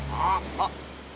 あっ。